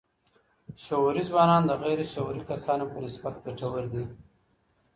شعوري ځوانان د غير شعوري کسانو په نسبت ګټور دي.